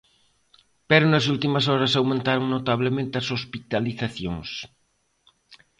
Pero nas últimas horas aumentaron notablemente as hospitalizacións.